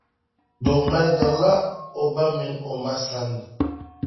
doo ŋmaligir’ o ba min’ o ma sania.